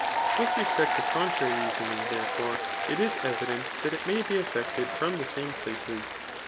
With respect to contrary reasoning, therefore, it is evident that it may be eflFected from the same places.